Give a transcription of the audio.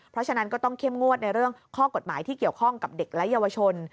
เพราะฉะนั้นก็ต้องเข้มงวดในเรื่องข้อกฎหมายที่เกี่ยวข้องกับเด็กและเยาวชน